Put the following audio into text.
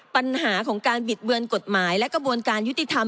ปัญหาของการบิดเบือนกฎหมายและกระบวนการยุติธรรม